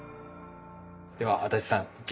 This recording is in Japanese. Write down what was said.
では足立さん激